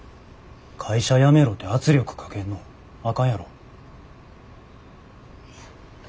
会社辞めろて圧力かけんのあかんやろ。